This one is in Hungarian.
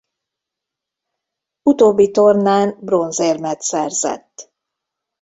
Utóbbi tornán bronzérmet szerzett.